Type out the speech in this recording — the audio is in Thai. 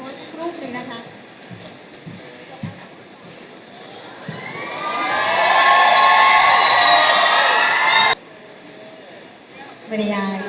แล้วไทยถ้าคุณรู้สึกสดใสรับไปทำอะไรบ่อยด้วย